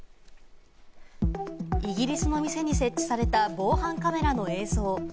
イギリスの店に設置された防犯カメラの映像。